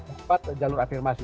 empat jalur afirmasi